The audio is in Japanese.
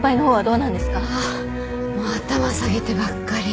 ああもう頭下げてばっかり。